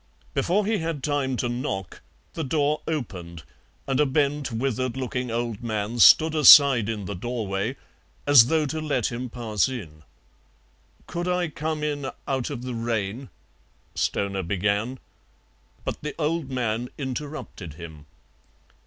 Before he had time to knock the door opened and a bent, withered looking old man stood aside in the doorway as though to let him pass in. "Could I come in out of the rain?" Stoner began, but the old man interrupted him.